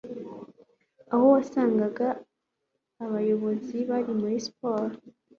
aho wasangaga abayobozi bari muri sport